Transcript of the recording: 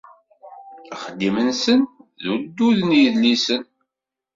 Axeddim-nsen d uddud n yedlisen.